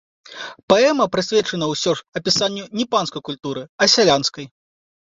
Паэма прысвечана ўсё ж апісанню не панскай культуры, а сялянскай.